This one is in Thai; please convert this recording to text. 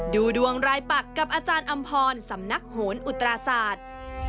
ดูดวงรายปักกับอาจารย์อำพรสำนักโหนอุตราศาสตร์